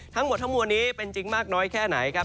ทั้งหมดทั้งมวลนี้เป็นจริงมากน้อยแค่ไหนครับ